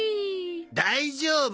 大丈夫！